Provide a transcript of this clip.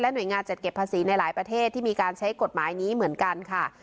หน่วยงานจัดเก็บภาษีในหลายประเทศที่มีการใช้กฎหมายนี้เหมือนกันค่ะ